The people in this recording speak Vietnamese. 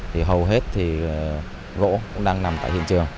thì hầu hết thì gỗ cũng đang nằm tại hiện trường